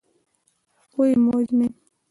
پوه مه وژنئ.